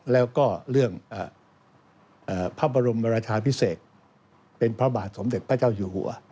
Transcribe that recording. แล้วก็เรื่องพระบรมราชาพิเศษเป็นพระบาทสมเด็จพระเจ้าอยู่หัว